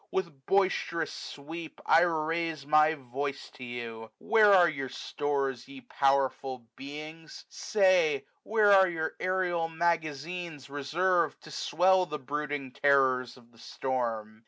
With bdsterous sweep, I raise my voice to you, A A 2 i8o W I N T E IL Where are your stores, ye powerful beings! say, Where your aerial magazines reservM, To swell the brooding terrors of the storm